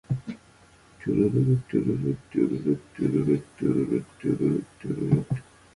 This also prevents the console from being used as general Blu-ray players.